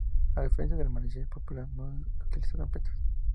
A diferencia del mariachi popular, no utiliza trompetas.